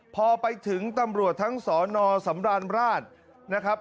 พอไปถึงตำรวจทั้งสนสำราญราชนะครับ